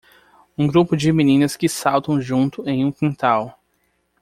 Um grupo de meninas que saltam junto em um quintal.